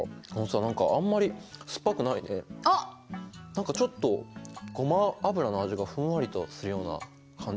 何かちょっとごま油の味がふんわりとするような感じ？